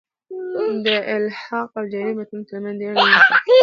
د الحاق او جعلي متونو ترمتځ ډېر لږ فرق سته.